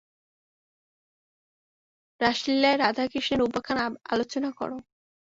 রাসলীলায় রাধাকৃষ্ণের উপাখ্যান আলোচনা কর।